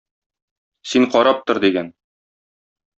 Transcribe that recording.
Син карап тор,- дигән.